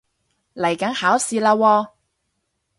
嚟緊考試喇喎